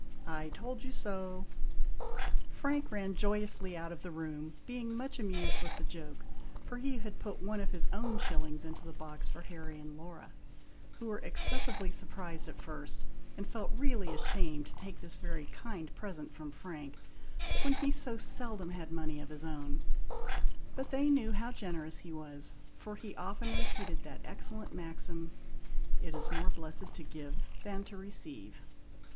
I told you so!" Frank ran joyously out of the room, being much amused with the joke, for he had put one of his own shillings into the box for Harry and Laura, who were excessively surprised at first, and felt really ashamed to take this very kind present from Frank, when he so seldom had money of his own; but they knew how generous he was, for he often repeated that excellent maxim, "It is more blessed to give than to receive."